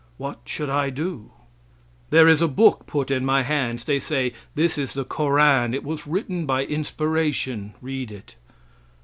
What should I do? There is a book put in my hands. They say "That is the Koran; that was written by inspiration; read it."